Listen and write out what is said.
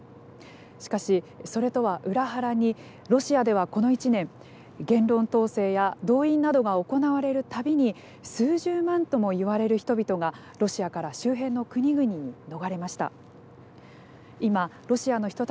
しかし、それとは裏腹にロシアではこの１年言論統制や動員などが行われるたびに数十万ともいわれる人々がロシアから周辺の国々に逃れました。